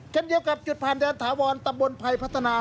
เช่นเดียวกับจุดผ่านแดนถาวรตำบลภัยพัฒนา